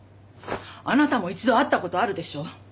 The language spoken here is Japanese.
あなたも一度会ったことあるでしょ？